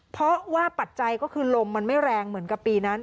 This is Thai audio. เพราะว่าปัจจัยก็คือลมมันไม่แรงเหมือนกับปีนั้น